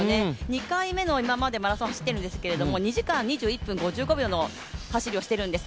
２回目の今までマラソン走ってるんですけど２時間２１分５５秒の走りをしているんです。